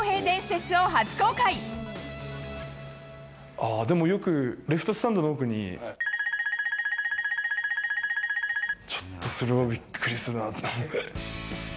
さらに、でも、よくレフトスタンドの奥に×××、ちょっとそれはびっくりするなと。